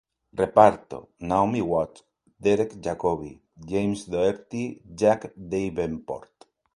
Reparto: Naomi Watts, Derek Jacobi, James Doherty, Jack Davenport.